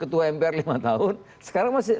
ketua mpr lima tahun sekarang masih